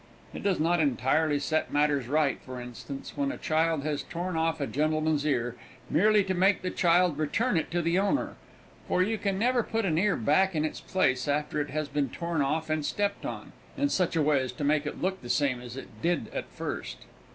It does not entirely set matters right, for instance, when a child has torn off a gentleman's ear, merely to make the child return it to the owner, for you can never put an ear back in its place after it has been torn off and stepped on, in such a way as to make it look the same as it did at first.